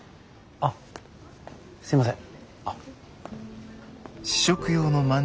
あすいません。